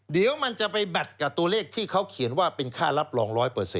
เดี๋ยวมันจะไปแบตกับตัวเลขที่เขาเขียนว่าเป็นค่ารับรอง๑๐๐